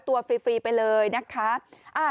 ๑๐๐ตัวฟรีไปเลยนะคะ